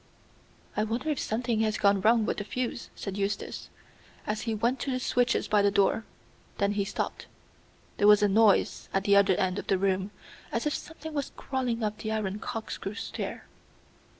"I wonder if something has gone wrong with the fuse," said Eustace, as he went to the switches by the door. Then he stopped. There was a noise at the other end of the room, as if something was crawling up the iron corkscrew stair.